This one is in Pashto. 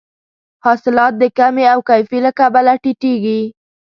حاصلات د کمې او کیفي له کبله ټیټیږي.